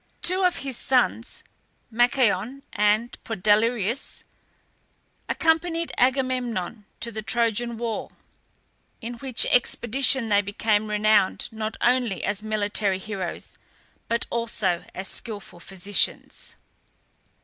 Two of his sons, Machaon and Podalirius, accompanied Agamemnon to the Trojan war, in which expedition they became renowned, not only as military heroes, but also as skilful physicians.